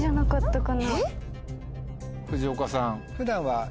藤岡さん。